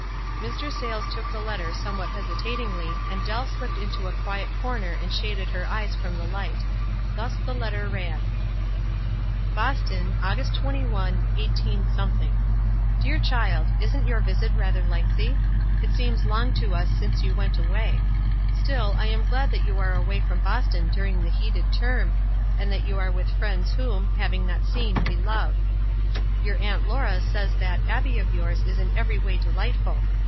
Mr. Sayles took the letter somewhat hesi tatingly, and Dell slipped into a quiet corner and shaded her eyes from the light. Thus the letter ran :—" Boston, August 21, 18—. "Dear Child: — Isn't your visit rather lengthy? It seems long to us since you went away. Stili, I am glad that you arc away from Boston during the heated term, and that you are with friends whom, * having not seen, we love.' Your Aunt Laura says that Abbie of yours is in every way delightful."